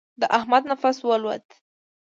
د احمد نفس والوت.